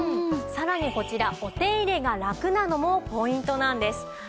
さらにこちらお手入れがラクなのもポイントなんです。